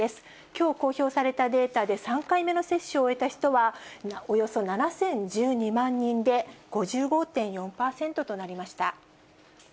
きょう公表されたデータで３回目の接種を終えた人は、およそ７０１２万人で、５５．４％となりました。